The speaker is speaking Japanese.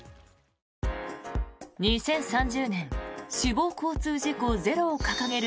「２０３０年死亡交通事故ゼロ」を掲げる